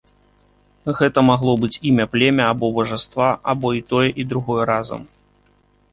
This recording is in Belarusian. Гэта магло быць імя племя або бажаства, або і тое, і другое разам.